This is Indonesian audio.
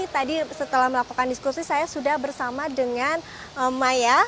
tadi setelah melakukan diskusi saya sudah bersama dengan maya